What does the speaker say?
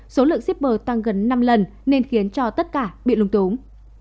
số lượng shipper tăng gần năm lần nên khiến cho tất cả bị lung tống